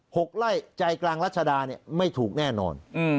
หกไล่ใจกลางรัชดาเนี่ยไม่ถูกแน่นอนอืม